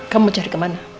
kamu mau cari kemana